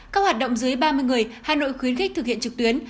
các hoạt động dưới ba mươi người hà nội khuyến khích thực hiện trực tuyến